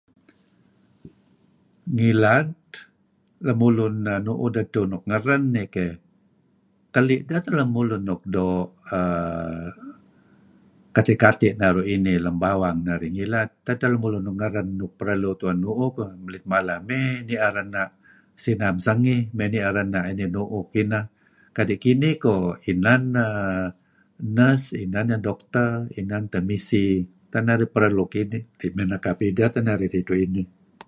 Ngilad, lemulun err... nuk nu'uh dedtur nuk ngeren iih keyh, keli' deh teh lemulun nuk doo' err... kati'- kati' naru' inih lem bawang narih ngilad. Tak edteh lemulun nuk perlu tu'en nu'uh ko', lit mala mey narih ni'er ena' sinam sengih mey ni'er ena' inih nu'uh kineh. Kadi' kinin ko' inan neh nurse, inan neh doktor, inan teh misi. Tak narih perlu kinih mey nekap ideh teh narih ridtu' inih.